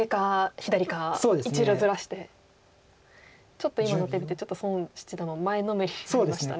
ちょっと今の手見て孫七段も前のめりになりましたね。